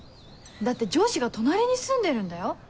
だって上司が隣に住んでるんだよ？